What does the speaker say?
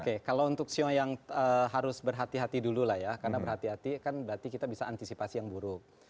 oke kalau untuk sio yang harus berhati hati dulu lah ya karena berhati hati kan berarti kita bisa antisipasi yang buruk